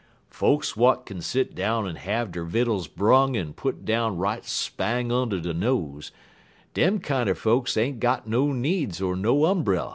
"Folks w'at kin set down en have der vittles brung en put down right spang und' der nose dem kinder folks ain't got no needs er no umbrell.